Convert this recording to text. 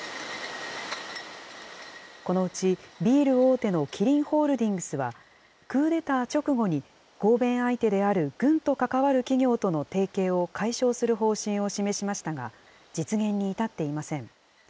このうちビール大手のキリンホールディングスは、クーデター直後に合弁相手である軍と関わる企業との提携を解消する方針を示しましたが、実現に至っていません。